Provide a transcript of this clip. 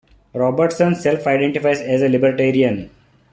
Robertson self-identifies as a libertarian.